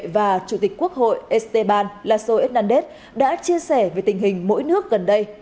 và chủ tịch quốc hội esteban lasso hernández đã chia sẻ về tình hình mỗi nước gần đây